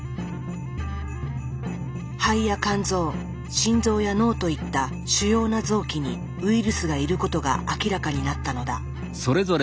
肺や肝臓心臓や脳といった主要な臓器にウイルスがいることが明らかになったのだ。